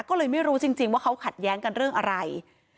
ก็เลยไม่รู้จริงว่าเขาขัดแย้งกันเรื่องอะไร